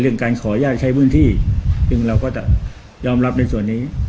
เรื่องการขอญาติใช้พื้นที่เราก็ยอมรับในส่วนนี้